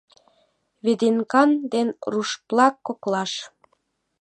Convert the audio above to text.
Веденкан ден Рушплак коклаш